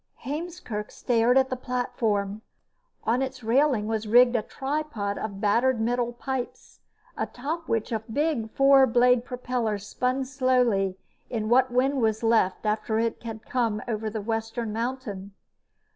Heemskerk stared at the platform. On its railing was rigged a tripod of battered metal pipes, atop which a big four blade propeller spun slowly in what wind was left after it came over the western mountain.